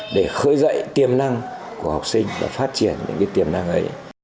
để khởi dậy tiềm năng của học sinh và phát triển những tiềm năng ấy